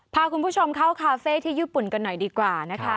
พาคุณผู้ชมเข้าคาเฟ่ที่ญี่ปุ่นกันหน่อยดีกว่านะคะ